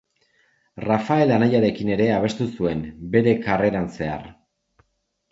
Rafael anaiarekin ere abestu zuen bere karreran zehar.